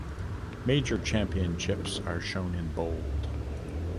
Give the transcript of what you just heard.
Major championships are shown in bold.